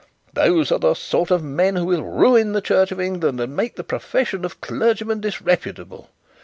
Those are the sort of men who will ruin the Church of England, and make the profession of clergyman disreputable.